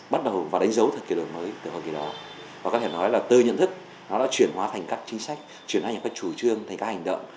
bắt đầu vào đánh dấu thời kỳ đổi mới từ hồi kia đó và có thể nói là tư nhận thức nó đã chuyển hóa thành các chính sách chuyển hóa thành các chủ trương thành các hành động